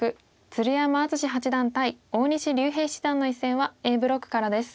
鶴山淳志八段対大西竜平七段の一戦はＡブロックからです。